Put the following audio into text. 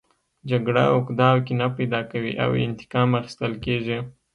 جګړه عقده او کینه پیدا کوي او انتقام اخیستل کیږي